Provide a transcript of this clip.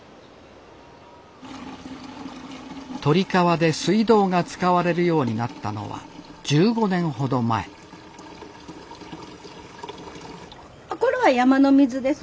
鳥川で水道が使われるようになったのは１５年ほど前これは山の水です。